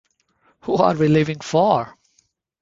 Who Are We Living For?